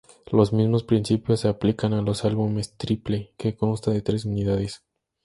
Los mismos principios se aplican a los álbumes triple, que consta de tres unidades.